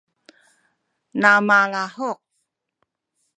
na malahuk